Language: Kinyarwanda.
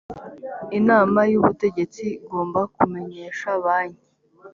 inama y ubutegetsi igomba kumenyesha banki